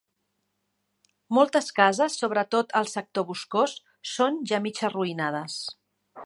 Moltes cases, sobretot al sector boscós, són ja mig arruïnades.